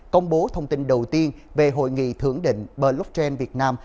công bố thông tin đầu tiên về hội nghị thượng đỉnh blockchain việt nam